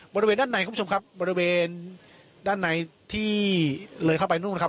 บริเวณด้านในคุณผู้ชมครับบริเวณด้านในที่เลยเข้าไปนู่นนะครับ